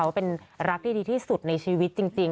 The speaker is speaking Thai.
ว่าเป็นรักที่ดีที่สุดในชีวิตจริง